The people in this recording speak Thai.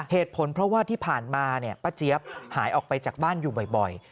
เหตุผลเพราะว่าที่ผ่านมาป้าเจี๊ยบหายออกไปจากบ้านอยู่บ่อย